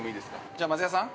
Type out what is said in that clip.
じゃあ、松也さん。